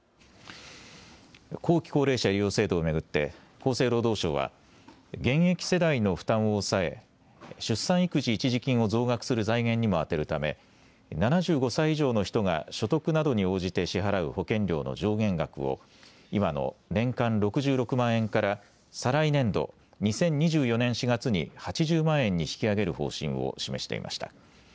後期高齢者医療制度を巡って厚生労働省は現役世代の負担を抑え、出産育児一時金を増額する財源にも充てるため７５歳以上の人が所得などに応じて支払う保険料の上限額を今の年間６６万円から再来年度、２０２４年４月に８０万円に引き上げる方針を示していました。